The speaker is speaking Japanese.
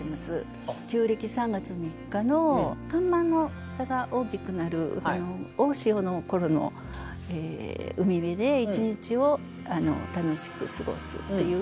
旧暦３月３日の干満の差が大きくなる大潮のころの海辺で１日を楽しく過ごすというような季題になっています。